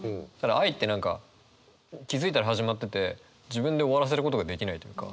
「愛」って何か気付いたら始まってて自分で終わらせることができないというか。